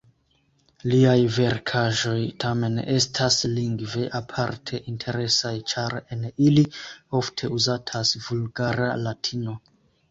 Liaj verkaĵoj tamen estas lingve aparte interesaj, ĉar en ili ofte uzatas vulgara latino.